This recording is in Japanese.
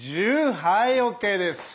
はいＯＫです。